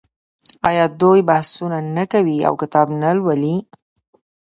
آیا دوی بحثونه نه کوي او کتاب نه لوالي؟